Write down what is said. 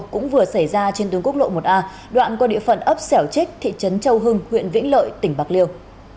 cũng vừa xảy ra trên tường cung lộ một a đoạn qua địa phận ấp sẻo trích thị trấn châu hưng huyện vĩnh lợi tỉnh bạc liêu